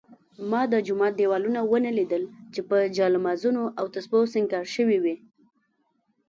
ما د جومات دېوالونه ونه لیدل چې په جالمازونو او تسپو سینګار شوي وي.